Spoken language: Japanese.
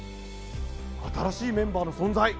新しいメンバーの存在。